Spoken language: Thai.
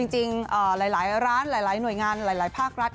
จริงหลายร้านหลายหน่วยงานหลายภาครัฐ